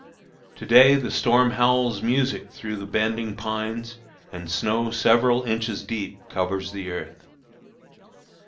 To day the storm howls music through the bending pines, and snow several inches deep covers the earth.